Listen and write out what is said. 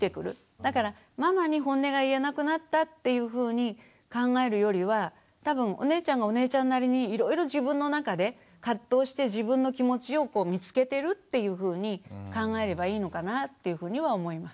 だからママにホンネが言えなくなったっていうふうに考えるよりは多分お姉ちゃんがお姉ちゃんなりにいろいろ自分の中で葛藤して自分の気持ちを見つけてるっていうふうに考えればいいのかなっていうふうには思います。